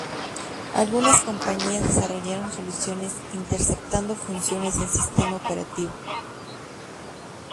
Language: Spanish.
Algunas compañías desarrollaron soluciones interceptando funciones del sistema operativo.